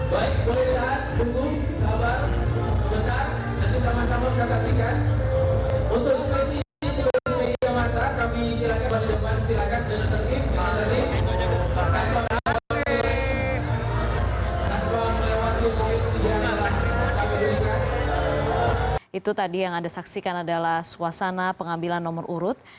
bapak jalan perhidayat dan perhidayat kami undang